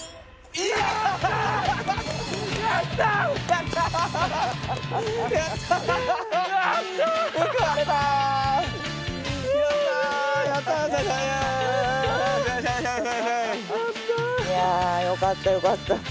いやよかったよかった。